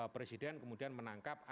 presiden kemudian menangkapnya